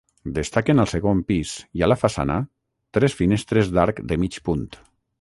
Destaquen al segon pis, i a la façana, tres finestres d’arc de mig punt.